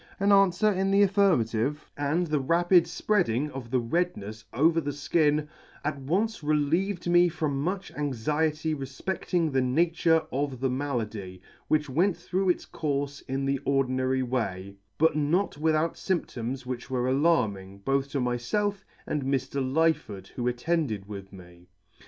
An anfwer in the affirmative, and the rapid fpreading of the rednefs over the {kin, at once relieved me from much anxiety refpecfting the nature of the malady, which went through its courfe in the ordinary way, but not without fymptoms which were alarming, both to myfelf and Mr. Lyford, who attended with me.